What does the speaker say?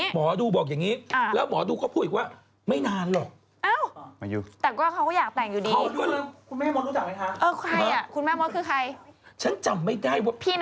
หมอดูบอกอย่างนี้หมอดูบอกอย่างนี้